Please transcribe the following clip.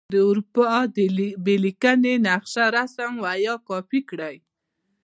د اروپا بې لیکنې نقشه رسم یا کاپې کړئ.